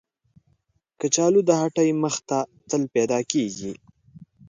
کچالو د هټۍ مخ ته تل پیدا کېږي